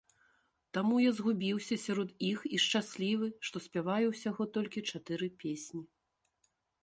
Таму я згубіўся сярод іх і шчаслівы, што спяваю ўсяго толькі чатыры песні.